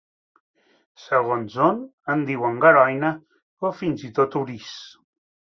Segons on, en diuen garoina o fins i tot oriç.